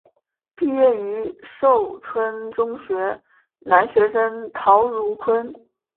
毕业于寿春中学男学生陶汝坤。